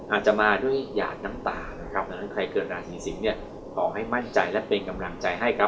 อาจจะมาด้วยหยาดน้ำตานะครับดังนั้นใครเกิดราศีสิงศ์เนี่ยขอให้มั่นใจและเป็นกำลังใจให้ครับ